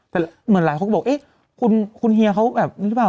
แต่เหมือนหลายคนก็บอกเอ๊ะคุณเฮียเขาแบบนี้หรือเปล่า